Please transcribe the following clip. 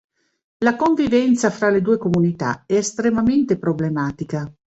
La convivenza fra le due comunità è estremamente problematica.